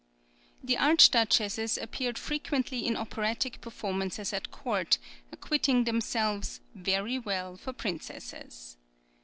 The Archduchesses appeared frequently in operatic performances at court, acquitting themselves "very well for princesses."